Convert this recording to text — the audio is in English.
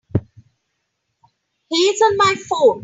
He's on my phone.